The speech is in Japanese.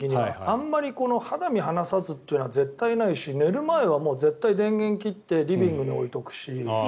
あまり肌身離さずというのは絶対にないし寝る前は絶対、電源切ってリビングに置いておくし。